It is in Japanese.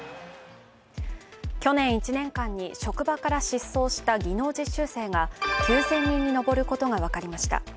去年１年間に職場から失踪した技能実習生が９０００人に上ることが分かりました。